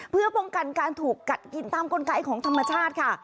เพื่อป้องกันการถูกกัดกินตามกลไกของธรรมชาติค่ะ